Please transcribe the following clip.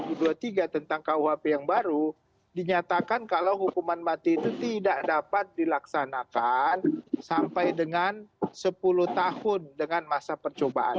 dalam undang undang satu tahun dua ribu dua puluh tiga tentang kuhp yang baru dinyatakan kalau hukuman mati itu tidak dapat dilaksanakan sampai dengan sepuluh tahun dengan masa percobaan